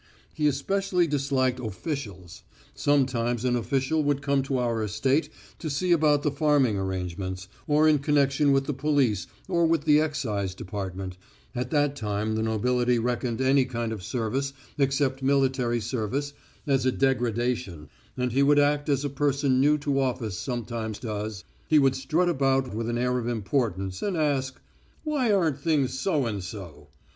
He especially disliked officials. Sometimes an official would come to our estate to see about the farming arrangements, or in connection with the police or with the excise department at that time the nobility reckoned any kind of service, except military service, as a degradation and he would act as a person new to office sometimes does: he would strut about with an air of importance, and ask "Why aren't things so and so?"